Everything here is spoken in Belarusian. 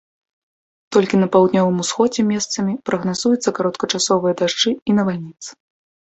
Толькі на паўднёвым усходзе месцамі прагназуюцца кароткачасовыя дажджы і навальніцы.